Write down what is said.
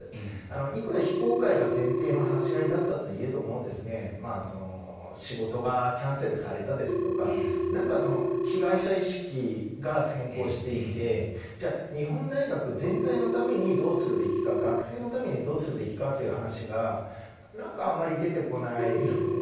いくら非公開が前提の話し合いだったといえども仕事がキャンセルされたですとか被害者意識が先行していてじゃあ、日本大学全体のためにどうするべきか学生のためにどうするべきかという話がなんかあまり出てこない。